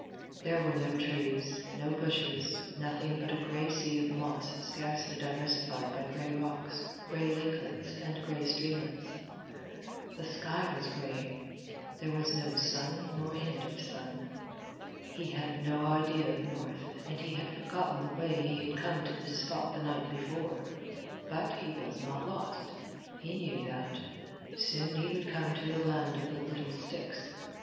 There were no trees, no bushes, nothing but a gray sea of moss scarcely diversified by gray rocks, gray lakelets, and gray streamlets. The sky was gray. There was no sun nor hint of sun. He had no idea of north, and he had forgotten the way he had come to this spot the night before. But he was not lost. He knew that. Soon he would come to the land of the little sticks.